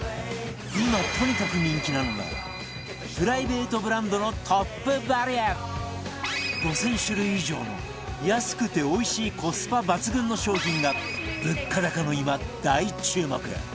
今、とにかく人気なのがプライベートブランドのトップバリュ５０００種類以上の安くて、おいしいコスパ抜群の商品が物価高の今、大注目！